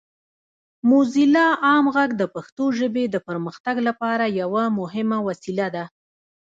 موزیلا عام غږ د پښتو ژبې د پرمختګ لپاره یوه مهمه وسیله ده.